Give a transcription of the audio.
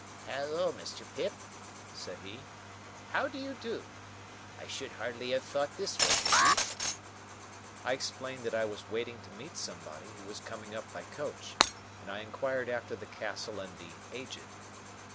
"Halloa, Mr. Pip," said he; "how do you do? I should hardly have thought this was your beat." I explained that I was waiting to meet somebody who was coming up by coach, and I inquired after the Castle and the Aged.